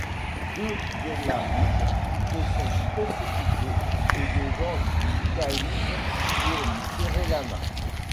Deux Daylamites se sont précipités au-devant du calife pour lui serrer la main.